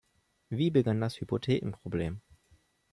Wie begann das Hypothekenproblem?